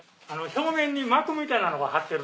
表面に膜みたいなのが張ってるでしょ？